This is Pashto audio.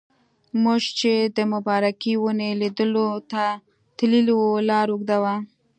موږ چې د مبارکې ونې لیدلو ته تللي وو لاره اوږده وه.